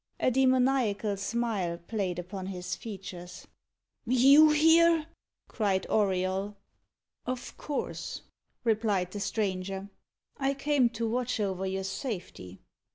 A demoniacal smile played upon his features. "You here?" cried Auriol. "Of course," replied the stranger. "I came to watch over your safety.